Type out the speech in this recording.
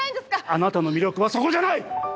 あなたの魅力はそこじゃない！